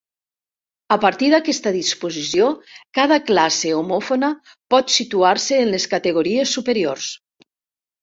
A partir d'aquesta disposició, cada classe homòfona pot situar-se en les categories superiors.